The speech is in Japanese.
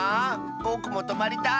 ぼくもとまりたい！